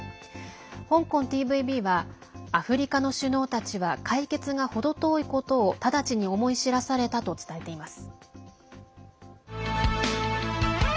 香港ＴＶＢはアフリカの首脳たちは解決が程遠いことを直ちに思い知らされたと伝えています。